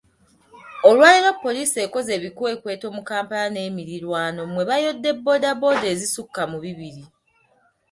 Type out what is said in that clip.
Olwaleero Poliisi ekoze ebikwekweto mu Kampala n'emirirwano mwe bayodde bbooda bbooda ezisukka mu bibiri.